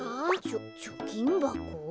ちょちょきんばこ？